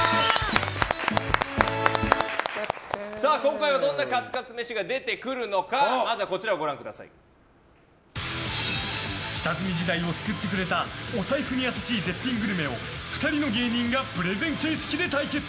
今回はどんなカツカツ飯が出てくるのか下積み時代を救ってくれたお財布に優しい絶品グルメを２人の芸人がプレゼン形式で対決。